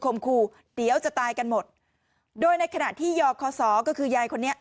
ครูเดี๋ยวจะตายกันหมดโดยในขณะที่ยอคอสอก็คือยายคนนี้